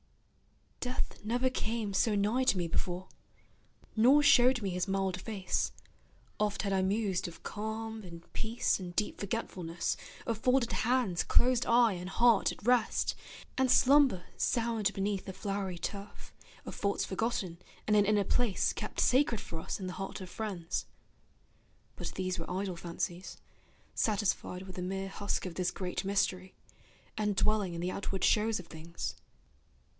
Death never came so nigh to me before, Nor showed me his mild face: oft had I mused Of calm and peace and deep forgetfulness, Of folded hands, closed eye, and heart at rest, And slumber sound beneath a flowery turf, Of faults forgotten, and an inner place Kept sacred for us in the heart of friends; But these were idle fancies, satisfied With the mere husk of this great mystery, And dwelling in the outward shows of things.